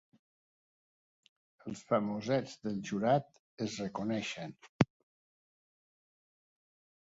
Els famosets del jurat es reconeixen.